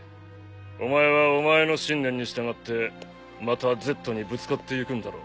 お前はお前の信念に従ってまたＺにぶつかっていくんだろ。